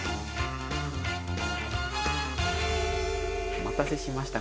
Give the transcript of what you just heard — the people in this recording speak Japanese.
お待たせしました。